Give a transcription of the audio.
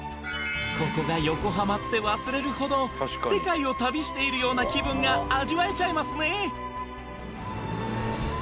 ここが横浜って忘れるほど世界を旅しているような気分が味わえちゃいますね！